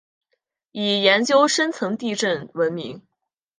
以研究深层地震闻名。